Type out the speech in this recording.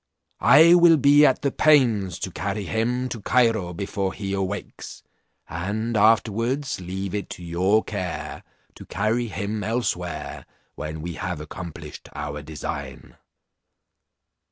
I will be at the pains to carry him to Cairo before he awakes, and afterwards leave it to your care to carry him elsewhere, when we have accomplished our design."